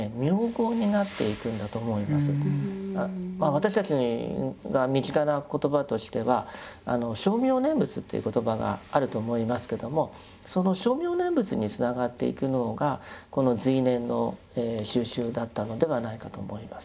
私たちが身近な言葉としては「称名念仏」という言葉があると思いますけどもその称名念仏につながっていくのがこの随念の修習だったのではないかと思います。